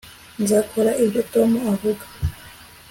nzakora ibyo tom avuga